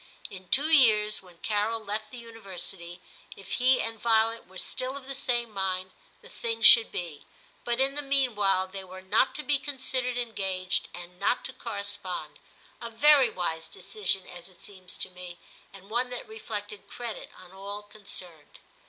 In two years, when Carol left the University, if he and Violet were still of the same mind the thing should be ; but in the meanwhile they were not to be considered engaged, and not to correspond, — X TIM 233 a very wise decision, as it seems to me, and one that reflected credit on all concerned.